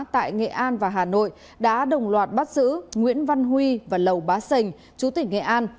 tại nghệ an và hà nội đã đồng loạt bắt giữ nguyễn văn huy và lầu bá sành chú tỉnh nghệ an